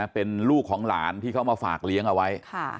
เป็นลูกของหลานที่เขามาฝากเลี้ยงเอาไว้